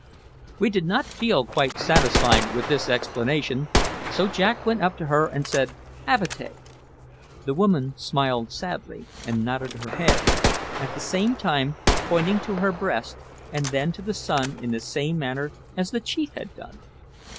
We did not feel quite satisfied with this explanation, so Jack went up to her and said "Avatea." The woman smiled sadly and nodded her head, at the same time pointing to her breast and then to the sun in the same manner as the chief had done.